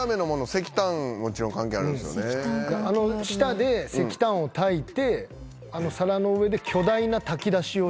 あの下で石炭をたいて皿の上で巨大な炊き出しをしてきた。